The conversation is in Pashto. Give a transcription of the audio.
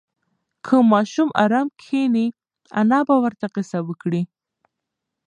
که ماشوم ارام کښېني، انا به ورته قصه وکړي.